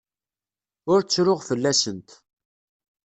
Ur ttruɣ fell-asent.